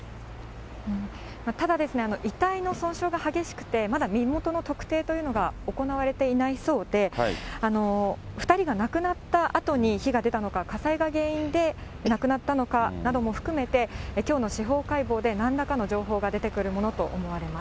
ただですね、遺体の損傷が激しくて、まだ身元の特定というのが行われていないそうで、２人が亡くなったあとに火が出たのか、火災が原因で亡くなったのかなども含めて、きょうの司法解剖でなんらかの情報が出てくるものと思われます。